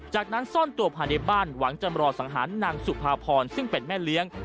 จากนั้นซ่อนตัวภายในบ้านหวังจะรอสังหารนางสุภาพรซึ่งเป็นแม่เลี้ยง